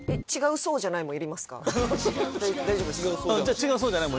「違う、そうじゃない」も。